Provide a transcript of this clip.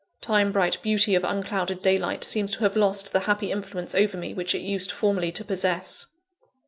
Time bright beauty of unclouded daylight seems to have lost the happy influence over me which it used formerly to possess.